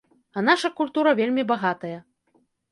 А наша культура вельмі багатая.